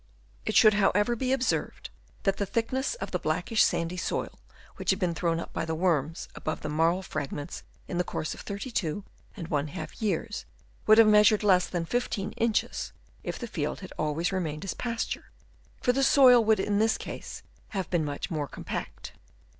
It should, however, be observed that the thick ness of the blackish sandy soil, which had been thrown up by the worms above the marl fragments in the course of 32i years, would have measured less than 15 inches, if the field had always remained as pasture, for the soil would in this case have been much more compact.